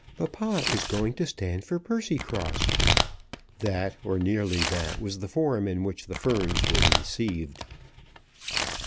Papa is going to stand for Percycross." That, or nearly that, was the form in which the ferns were received.